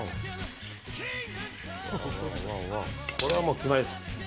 これはもう決まりです。